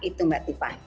itu mbak tipah